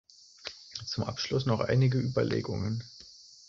Zum Abschluss noch einige Überlegungen.